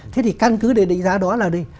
thế thì căn cứ để định giá đó là đây